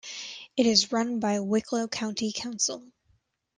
It is run by Wicklow County Council.